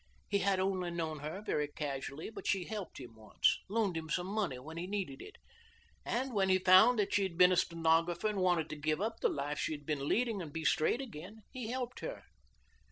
"He had only known her very casually, but she helped him once loaned him some money when he needed it and when he found that she had been a stenographer and wanted to give up the life she had been leading and be straight again, he helped her.